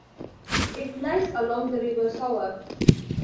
It lies along the river Sauer.